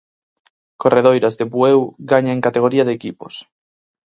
Corredoiras de Bueu gaña en Categoría de equipos.